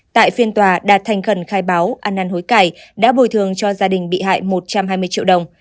tại phiên tòa đạt thành khẩn khai báo ăn năn hối cải đã bồi thường cho gia đình bị hại một trăm hai mươi triệu đồng